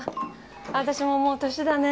私ももう年だね。